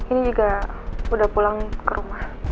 ini juga udah pulang ke rumah